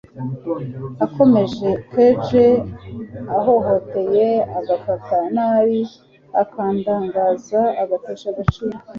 akomere keje, ahohoteye, agafata nabi, akandagaza, agatesha agaciro